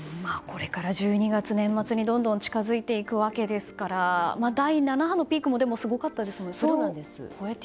これから１２月年末にどんどん近づいていくわけですから第７波のピークもすごかったですもんね。